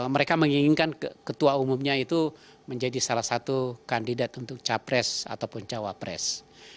mereka menginginkan ketua umumnya itu menjadi salah satu kandidat untuk capres ataupun cawapres